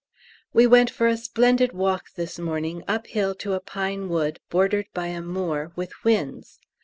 We went for a splendid walk this morning up hill to a pine wood bordered by a moor with whins.